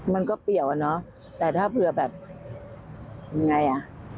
เปรี้ยวอ่ะเนอะแต่ถ้าเผื่อแบบยังไงอ่ะ